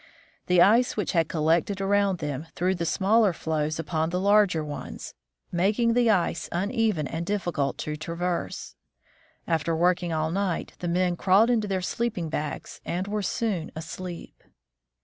The ice which had collected around them threw the smaller floes upon the larger ones, making the ice uneven NANSEN CROSSES GREENLAND III and difficult to traverse. After working all night, the men crawled into their sleeping bags, and were soon asleep.